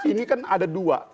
ini kan ada dua